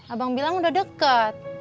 abang bilang udah deket